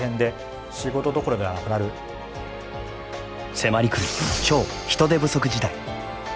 迫りくる「超・人手不足時代」。